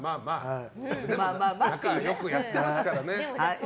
仲良くやってますからね。